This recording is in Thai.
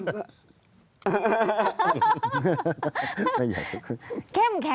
ลุงเอี่ยมอยากให้อธิบดีช่วยอะไรไหม